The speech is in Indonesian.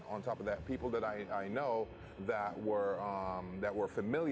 itulah sebabnya saya memilih situasi ini